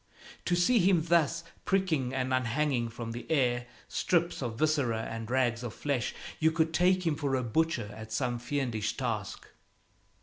To see him thus pricking and unhanging from the air strips of viscera and rags of flesh, you could take him for a butcher at some fiendish task.